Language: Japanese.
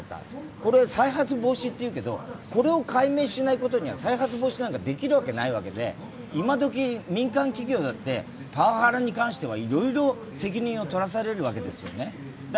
これ、再発防止というけどこれを解明しないことには再発防止なんかできるわけないわけで、今どき、民間企業だってパワハラに関してはいろいろ責任を取らされるわけですよね。